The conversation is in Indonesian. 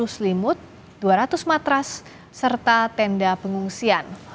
dua ratus lima puluh selimut dua ratus matras serta tenda pengungsian